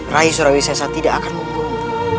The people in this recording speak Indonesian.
rai surawisesa tidak akan membunuh